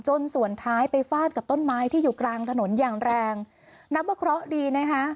ส่วนท้ายไปฟาดกับต้นไม้ที่อยู่กลางถนนอย่างแรงนับว่าเคราะห์ดีนะคะ